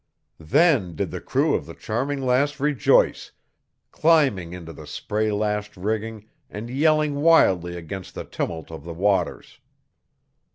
Then did the crew of the Charming Lass rejoice, climbing into the spray lashed rigging, and yelling wildly against the tumult of the waters.